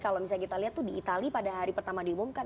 kalau misalnya kita lihat tuh di itali pada hari pertama diumumkan